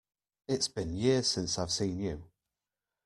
It's been years since I've seen you!